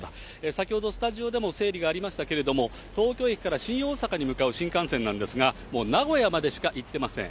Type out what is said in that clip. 先ほどスタジオでも整理がありましたけれども、東京駅から新大阪に向かう新幹線なんですが、もう名古屋までしか行ってません。